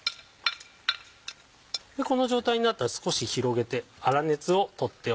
この状態になったら少し広げて。